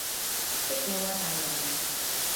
息怒啊大人